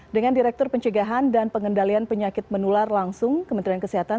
dengan direktur pencegahan dan pengendalian penyakit menular langsung kementerian kesehatan